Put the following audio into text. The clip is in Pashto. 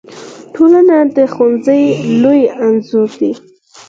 ټولنه د ښوونځي لوی انځور دی.